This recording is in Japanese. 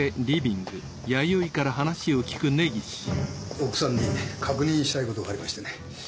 奥さんに確認したいことがありましてね。